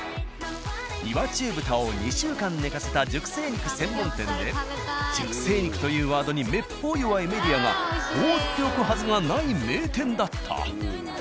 岩中豚を２週間寝かせた熟成肉専門店で熟成肉というワードにめっぽう弱いメディアが放っておくはずがない名店だった。